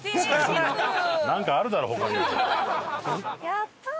やったー！